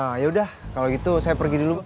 nah yaudah kalau gitu saya pergi dulu bang